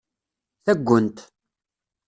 Taggent.